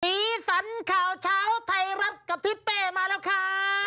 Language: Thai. สีสันข่าวเช้าไทยรัฐกับทิศเป้มาแล้วค่ะ